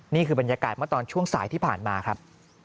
นี่คือบรรยากาศเมื่อตอนช่วงสายที่ผ่านมาครับ